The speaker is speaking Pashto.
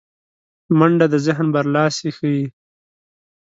منډه د ذهن برلاسی ښيي